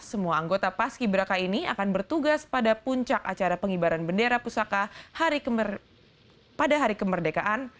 semua anggota paski beraka ini akan bertugas pada puncak acara pengibaran bendera pusaka pada hari kemerdekaan